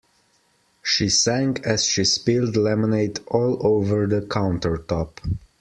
She sang as she spilled lemonade all over the countertop.